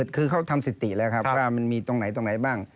คือเขาทำสิติแล้วครับว่ามันมีตรงไหนตรงไหนบ้าง